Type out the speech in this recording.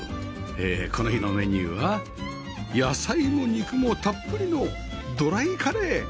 ええこの日のメニューは野菜も肉もたっぷりのドライカレー！